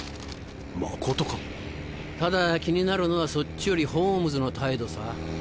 まことか⁉ただ気になるのはそっちよりホームズの態度さ。